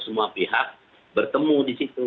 semua pihak bertemu di situ